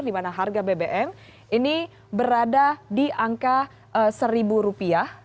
di mana harga bbm ini berada di angka seribu rupiah